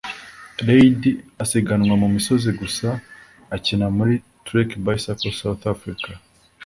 Reid asiganwa mu misozi gusa akina muri Trek Bicycles South Africa